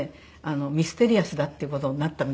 ミステリアスだっていう事になったみたいでしたけど。